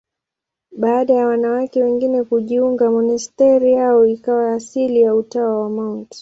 Baada ya wanawake wengine kujiunga, monasteri yao ikawa asili ya Utawa wa Mt.